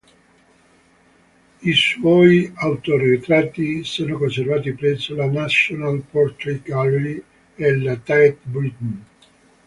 I suoi autoritratti sono conservati presso la National Portrait Gallery e la Tate Britain.